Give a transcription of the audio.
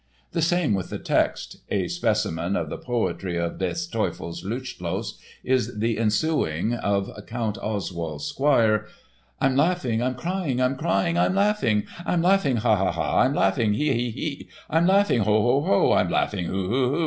The same with the text—a specimen of the poetry of Des Teufels Lustschloss is the ensuing of Count Oswald's squire: "I'm laughing, I'm crying, I'm crying, I'm laughing, I'm laughing, ha, ha, ha, I'm laughing, hi, hi, hi, I'm laughing, ho, ho, ho, _I'm laughing, hu, hu, hu"...